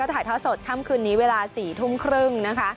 ถ่ายทอดโสดค่ำคืนนี้เวลา๔ทุ่มครึ่ง